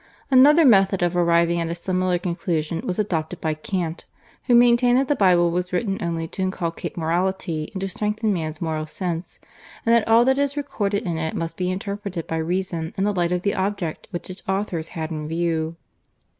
Another method of arriving at a similar conclusion was adopted by Kant, who maintained that the Bible was written only to inculcate morality and to strengthen man's moral sense, and that all that is recorded in it must be interpreted by reason in the light of the object which its authors had in view.